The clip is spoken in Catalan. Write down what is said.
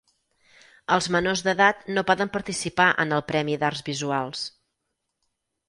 Els menors d'edat no poden participar en el premi d'Arts Visuals.